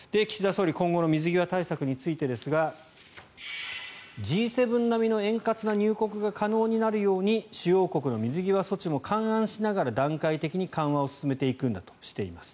総理今後の水際対策についてですがＧ７並みの円滑な入国が可能になるように主要国の水際措置も勘案しながら段階的に緩和を進めていくんだとしています。